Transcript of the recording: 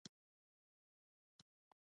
فریدګل هېڅ ځواب ورنکړ او یوازې یې ژړل